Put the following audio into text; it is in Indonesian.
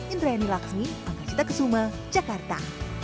indra yani laksmi angka cita kesuma jakarta